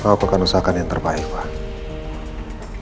aku akan usahakan yang terbaik pak